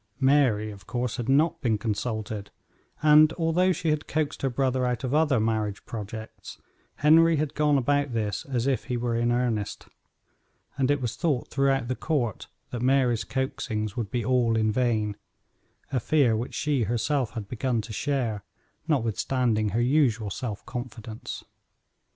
Mary, of course, had not been consulted, and although she had coaxed her brother out of other marriage projects, Henry had gone about this as if he were in earnest, and it was thought throughout the court that Mary's coaxings would be all in vain a fear which she herself had begun to share, notwithstanding her usual self confidence.